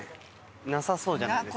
なさそうじゃないですか。